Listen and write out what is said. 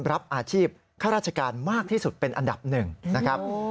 รับอาชีพข้าราชการมากที่สุดเป็นอันดับหนึ่งนะครับ